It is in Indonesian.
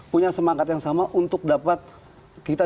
punya semangat yang sama untuk dapat kita